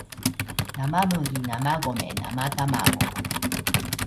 生麦生ゴミ生卵